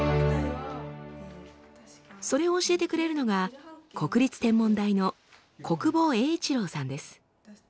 それを教えてくれるのが国立天文台の小久保英一郎さんです。